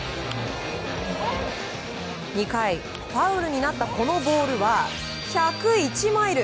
２回、ファウルになったこのボールは１０１マイル